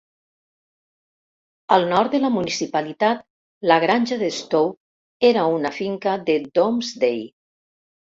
Al nord de la municipalitat, la granja de Stoke era una finca de Domesday.